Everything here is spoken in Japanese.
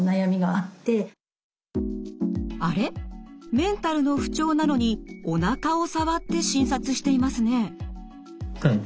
メンタルの不調なのにおなかを触って診察していますね。